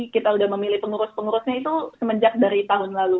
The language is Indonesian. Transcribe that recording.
kita sudah memilih pengurus pengurusnya itu semenjak dari tahun lalu